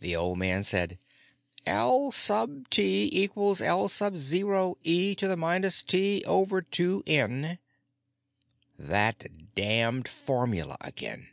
The old man said, "L sub T equals L sub zero e to the minus T over two N." That damned formula again!